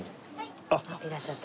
いらっしゃった。